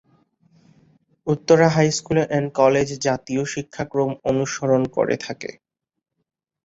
Uttara high school and college জাতীয় শিক্ষাক্রম অনুসরণ করে থাকে।